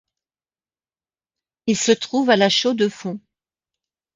Il se trouve à La Chaux-de-Fonds.